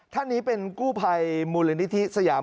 ท่านนี้เป็นกู้ภัยมูลนิธิสยาม